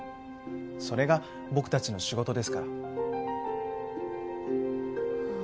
それが僕たちの仕事ですから。